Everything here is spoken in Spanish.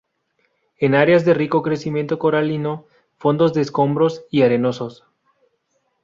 En áreas de rico crecimiento coralino, fondos de escombros y arenosos.